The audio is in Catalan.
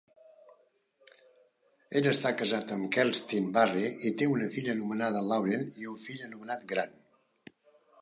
Ell està casat amb Kerstin Barry i té una filla anomenada Lauren i un fill anomenat Grant.